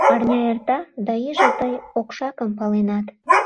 Арня эрта, да иже тый окшакым паленат.